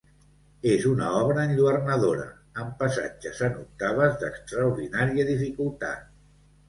És una obra enlluernadora, amb passatges en octaves d'extraordinària dificultat.